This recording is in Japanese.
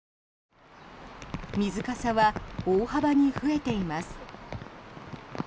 水かさは大幅に増えています。